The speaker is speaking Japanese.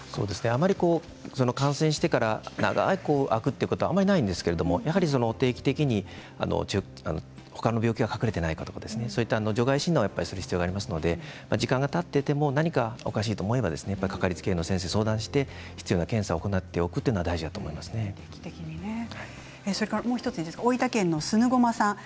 あまり感染してから長く空くということはあまりないんですけど定期的に他の病気が隠れていないか除外診断をする必要がありますので時間がたっていても何かおかしいと思えば掛かりつけ医の先生に相談して必要な検査をしておくのは大分県の方からです。